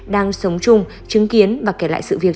đang sống chung chứng kiến và kể lại sự việc